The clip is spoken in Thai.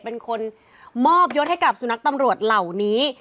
เป็นคนมอบยศให้กับสุนัขตำรวจเหล่านี้